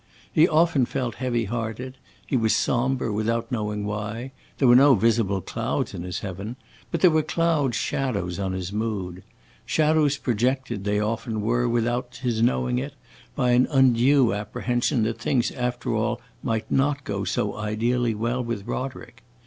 He often felt heavy hearted; he was sombre without knowing why; there were no visible clouds in his heaven, but there were cloud shadows on his mood. Shadows projected, they often were, without his knowing it, by an undue apprehension that things after all might not go so ideally well with Roderick.